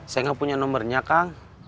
saya gak punya nomernya kang